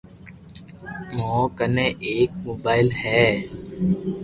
مون ڪني ايڪ موبائل ھي